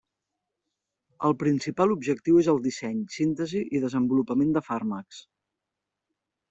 El principal objectiu és el disseny, síntesi i desenvolupament de fàrmacs.